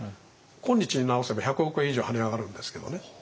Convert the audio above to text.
今日に直せば１００億円以上跳ね上がるんですけどね。